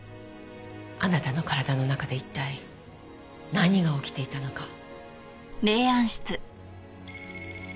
あなたの体の中で一体何が起きていたのかを。